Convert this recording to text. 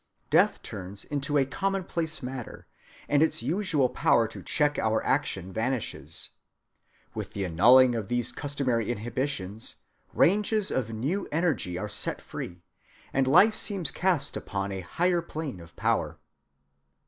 Death turns into a commonplace matter, and its usual power to check our action vanishes. With the annulling of these customary inhibitions, ranges of new energy are set free, and life seems cast upon a higher plane of power.